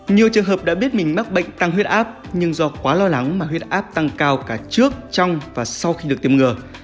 nhiều trường hợp đã biết mình mắc bệnh tăng huyết áp nhưng do quá lo lắng mà huyết áp tăng cao cả trước trong và sau khi được tiêm ngừa